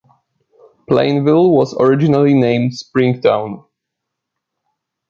Plainville was originally named "Spring Town".